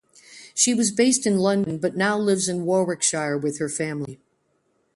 She was based in London but now lives in Warwickshire with her family.